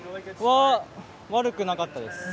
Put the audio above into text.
悪くなかったです。